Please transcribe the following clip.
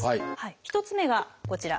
１つ目がこちら。